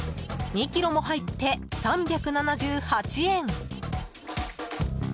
２ｋｇも入って３７８円。